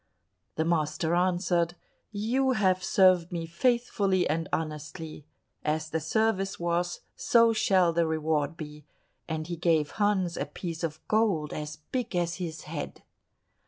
The master answered, "You have served me faithfully and honestly; as the service was so shall the reward be;" and he gave Hans a piece of gold as big as his head.